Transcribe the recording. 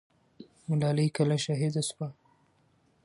ملالۍ کله شهیده سوه؟